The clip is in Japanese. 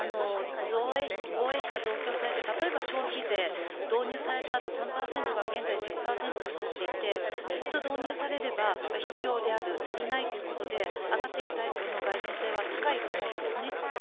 防衛費が増強されて例えば、消費税が導入されたあと３％から現在１０％になっていて一度導入されれば必要である足りないということで上がっていくがい然性は高いと思うんです。